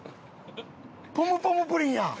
ポムポムプリンやん！